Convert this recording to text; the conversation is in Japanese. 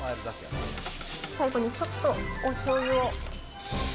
最後にちょっとおしょうゆを。